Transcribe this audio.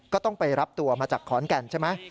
ก็ต้องไปรับตัวมาจากขอนแก่นใช่ไหม